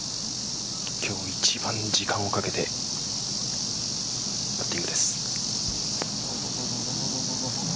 今日、一番時間をかけてパッティングです。